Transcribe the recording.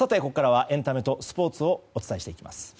ここからはエンタメとスポーツをお伝えしていきます。